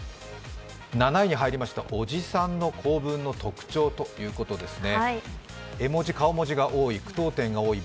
７位に入りましたおじさんの構文の特徴ということですね。